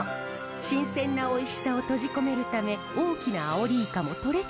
新鮮なおいしさを閉じ込めるため大きなアオリイカもとれたてを干すのです。